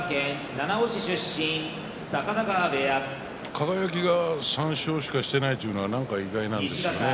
輝が３勝しかしてないというのは、なんか意外ですね。